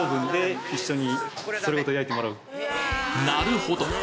なるほど！